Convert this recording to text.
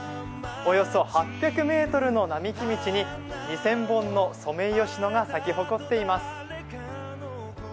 およそ８００ｍの並木道に２０００本のソメイヨシノが咲き誇っています。